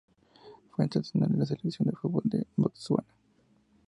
Fue internacional con la selección de fútbol de Botsuana.